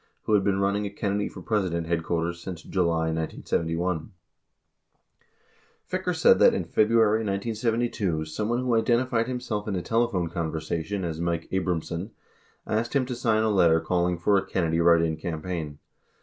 who had been running a Kennedy for President headquarters since July 1971. 60 Ficker said that in February 1972 someone who identified himself in a telephone conversation as Mike Abramson, asked him to sign a letter calling for a Kennedy write in campaign.